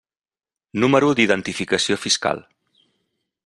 Número d'identificació fiscal.